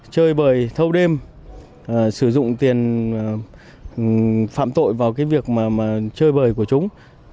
chơi bời thâu đêm sử dụng tiền phạm tội vào việc chơi bời của chúng